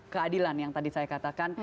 keadilan yang tadi saya katakan